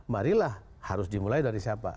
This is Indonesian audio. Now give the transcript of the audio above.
marilah harus dimulai dari siapa